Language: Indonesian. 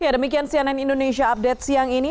ya demikian cnn indonesia update siang ini